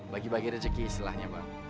bagi bagi rezeki setelahnya bang